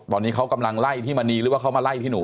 ตอนนี้เขากำลังไล่ที่มณีหรือว่าเขามาไล่พี่หนู